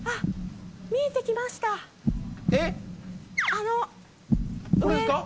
あの上これですか？